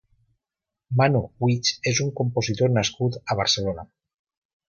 Manu Guix és un compositor nascut a Barcelona.